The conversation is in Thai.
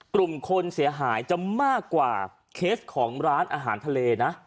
กลุ่มคนเสียหายจะมากกว่าเคสของร้านอาหารทะเลนะ